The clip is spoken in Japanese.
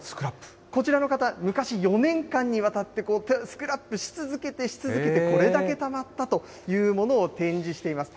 こちらの方、昔、４年間にわたって、スクラップし続けて、し続けてこれだけたまったというものを展示しています。